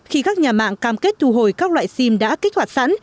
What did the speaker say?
khi các nhà mạng cam kết thu hồi các loại sim đã kích hoạt sẵn